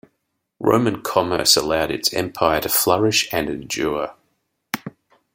Roman commerce allowed its empire to flourish and endure.